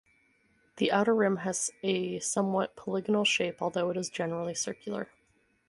The outer rim has a somewhat polygonal shape, although it is generally circular.